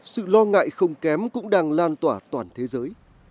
sự lo ngại không kém cũng đang lan tỏa toàn thế giới